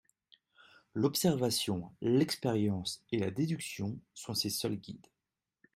L'observation, l'expérience et la déduction sont ses seuls guides.